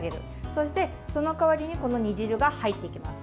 そして、その代わりにこの煮汁が入っていきます。